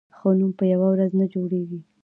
ښه نوم په یوه ورځ نه جوړېږي.